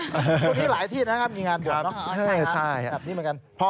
ตรงนี้หลายที่นะครับมีงานบ่นเนอะแบบนี้เหมือนกันพร้อมไหมครับ